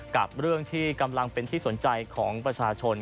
กับเรื่องที่กำลังเป็นที่สนใจของประชาชน